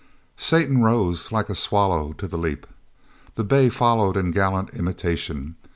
Satan rose like a swallow to the leap. The bay followed in gallant imitation.